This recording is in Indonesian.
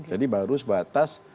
jadi baru sebatas